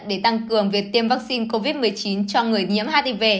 để tăng cường việc tiêm vaccine covid một mươi chín cho người nhiễm hiv